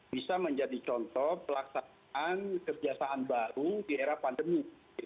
bisa menjadi contoh pelaksanaan kerjasama baru di era pandemi